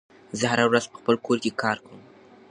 زه هره ورځ په خپل کور کې کار کوم.